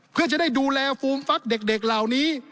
เพื่อจะได้ดูแลฟูมฟักเด็กเหล่านี้